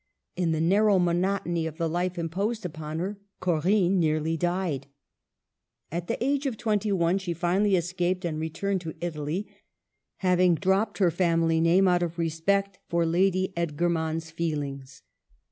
In the narrow monotony of the life imposed upon her Corinne nearly died. At the age of twenty one she finally escaped and returned to Italy, having dropped her family name out of respect for Lady Edgermond's feelings.